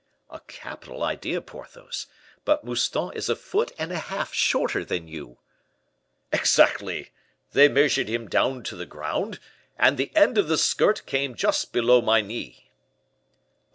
"A capital idea, Porthos; but Mouston is a foot and a half shorter than you." "Exactly! They measured him down to the ground, and the end of the skirt came just below my knee."